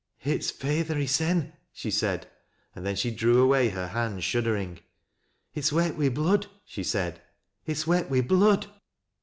' It's feyther hissen," she said, and then she drew away hoi hand, shuddering. " It's wet wi' blood," she said. "It's wet wi' blood!"